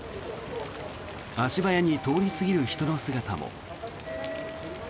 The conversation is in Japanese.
足早に通り過ぎる人の姿も。